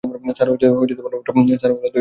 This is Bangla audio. স্যার, ওরা তৈরি নেই।